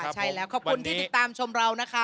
ใช่แล้วขอบคุณที่ติดตามชมเรานะคะ